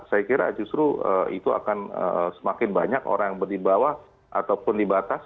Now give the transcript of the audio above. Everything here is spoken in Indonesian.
saya kira justru itu akan semakin banyak orang yang berdibawah ataupun dibatas